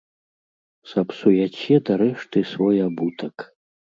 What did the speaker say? Сапсуяце дарэшты свой абутак.